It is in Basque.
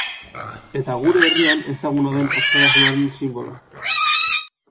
Eta gure herrian ezaguna den askatasunaren sinbolo.